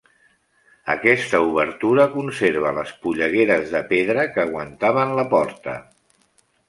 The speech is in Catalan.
Aquesta obertura conserva les pollegueres de pedra que aguantaven la porta.